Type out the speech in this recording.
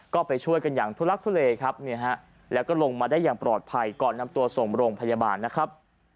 ก็ไปช่วยกันอย่างทุลักทุเลครับแล้วก็ลงมาได้อย่างปลอดภัยก่อนนำตัวส่งโรงพยาบาลนะครับ